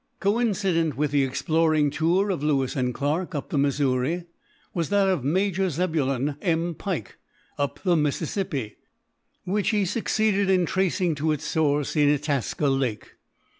Coincident with the exploring tour of Lewis and Clarke up the Missouri, was that of Major Zebulon M. Pike up the Mississippi, which he succeeded in tracing to its source in Itasca Lake.